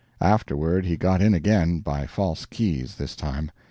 Afterward he got in again by false keys, this time.